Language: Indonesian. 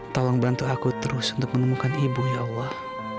tolong bantu aku terus untuk menemukan ibu ya allah